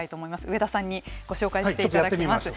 上田さんにご紹介していただきます。